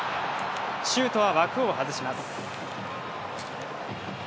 シュートは枠を外します。